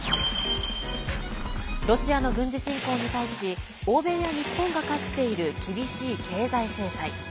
ロシアの軍事侵攻に対し欧米や日本が科している厳しい経済制裁。